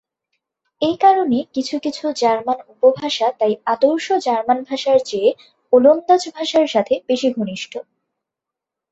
এ কারণে কিছু কিছু জার্মান উপভাষা তাই আদর্শ জার্মান ভাষার চেয়ে ওলন্দাজ ভাষার সাথে বেশি ঘনিষ্ঠ।